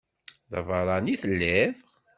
D abeṛṛani i telliḍ?